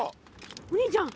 お兄ちゃん！